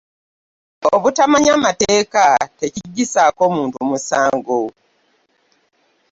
Obutamanya mateeka tekiggyisaako muntu musango